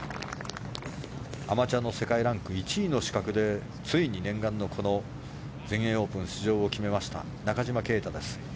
アマチュアの世界ランク１位の資格でついに念願の全英オープン出場を決めました中島啓太です。